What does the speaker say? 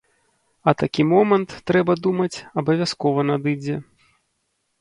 А такі момант, трэба думаць, абавязкова надыдзе.